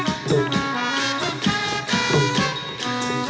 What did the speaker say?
โอ้โหโอ้โหโอ้โหโอ้โหโอ้โห